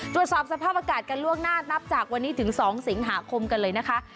ตรวจสอบสภาพอากาศกันล่วงหน้านับจากวันนี้ถึง๒สิงหาคมกันเลยนะคะ